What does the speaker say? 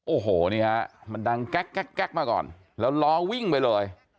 โอ้โหนี่ฮะมันดังแก๊กมาก่อนแล้วล้อวิ่งไปเลย